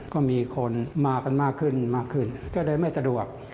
ก็มีคนมากกันมากขึ้นก็เลยไม่สะดวก